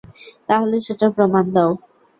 তাহলে সেটার প্রমাণ দাও।